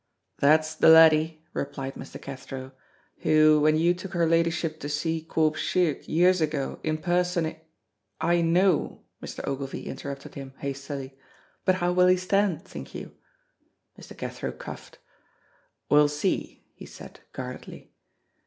"That's the laddie," replied Mr. Cathro, "who, when you took her ladyship to see Corp Shiach years ago impersona " "I know," Mr. Ogilvy interrupted him hastily, "but how will he stand, think you?" Mr. Cathro coughed. "We'll see," he said guardedly.